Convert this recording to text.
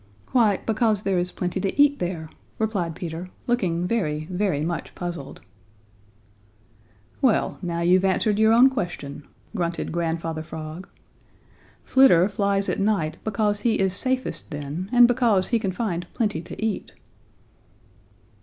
"Why, because there is plenty to eat there," replied Peter, looking very, very much puzzled. "Well, now you've answered your own question," grunted Grandfather Frog. "Flitter flies at night because he is safest then, and because he can find plenty to eat."